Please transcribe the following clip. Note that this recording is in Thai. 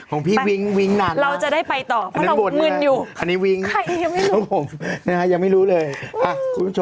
ของพี่วิ้งวิ้งนานมากเราจะได้ไปต่อเพราะเรามึนอยู่